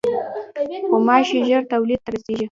غوماشې ژر تولید ته رسېږي.